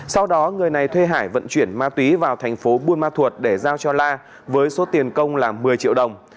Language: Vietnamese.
sau đó người này thuê hải vận chuyển ma túy vào thành phố buôn ma thuột để giao cho la với số tiền công là một mươi triệu đồng